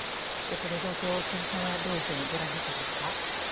この状況を辻さんはどういうふうにご覧になっていますか。